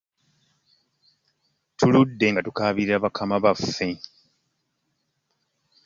Tuludde nga tukaabirira bakama baffe.